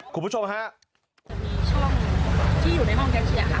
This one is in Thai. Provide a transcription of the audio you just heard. คุณผู้ชมครับ